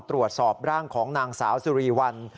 ตรวจสอบร่างของนางสาวสุรีวัล